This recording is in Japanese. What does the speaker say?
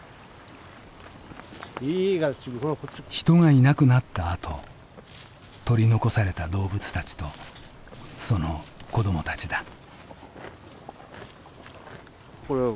人がいなくなったあと取り残された動物たちとその子供たちだ。